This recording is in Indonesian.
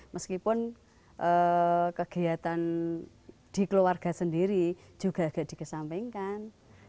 meskipun kegiatan di keluarga sendiri juga agak dikesampingkan